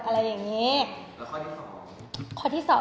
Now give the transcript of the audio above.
อะไรอย่างเนี้ยแล้วข้อที่สอง